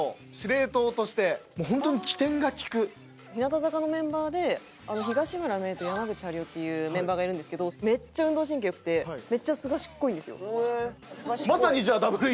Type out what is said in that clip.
日向坂のメンバーで東村芽依と山口陽世っていうメンバーがいるんですけどめっちゃ運動神経良くてめっちゃすばしっこいんですよ。